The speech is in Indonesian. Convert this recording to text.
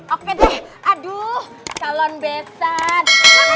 oke deh aduh calon besan